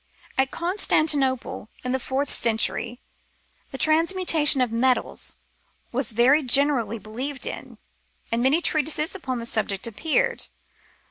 At Constantinople, in the fourth century, the trans mutation of metals was very generally believed in, and many treatises upon the subject appeared.